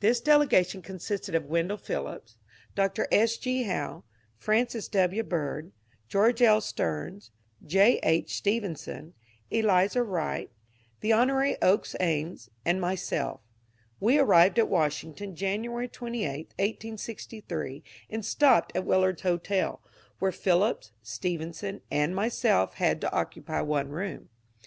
This delegation consisted of Wendell Phillips, Dr. S. G. Howe, Francis W. Bird, George L. Steams, J. H. Stephen son, Elizur Wright, the Hon. Oakes Ames, and myself. We arrived at Washington January 23, 1863, and stopped at Willard's Hotel, where Phillips, Stephenson, and myself had to occupy one room.